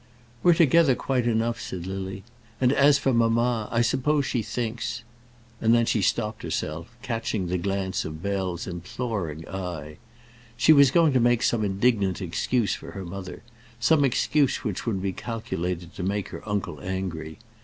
"We're together quite enough," said Lily. "And as for mamma, I suppose she thinks " And then she stopped herself, catching the glance of Bell's imploring eye. She was going to make some indignant excuse for her mother, some excuse which would be calculated to make her uncle angry.